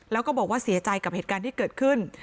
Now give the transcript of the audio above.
แล้วก็บอกว่าเสียใจกับเหตุการณ์ที่เกิดขึ้น